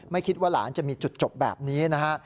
คิดว่าหลานจะมีจุดจบแบบนี้นะฮะ